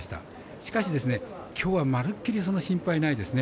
しかし、きょうはまるっきりその心配ないですね。